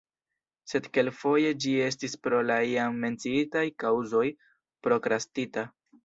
Sed kelkfoje ĝi estis pro la jam menciitaj kaŭzoj prokrastita.